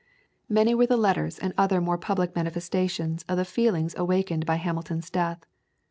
Many were the letters and other more public manifestations of the feelings awakened by Hamilton's death.